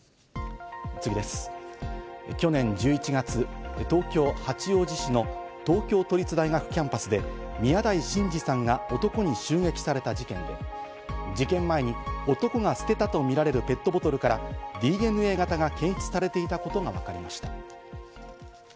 去年１１月、東京・八王子市の東京都立大学キャンパスで宮台真司さんが男に襲撃された事件で、事件前に男が捨てたとみられるペットボトルからＤＮＡ型が検出されていたことがわかりました。